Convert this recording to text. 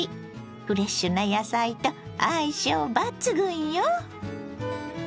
フレッシュな野菜と相性抜群よ。